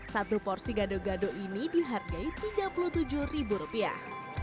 satu porsi gado gado ini dihargai tiga puluh tujuh ribu rupiah